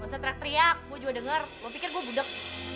gak usah teriak teriak gue juga dengar mau pikir gue gudeg